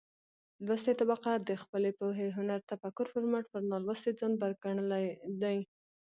لوستې طبقه د خپلې پوهې، هنر ،تفکر په مټ پر نالوستې ځان بر ګنلى دى.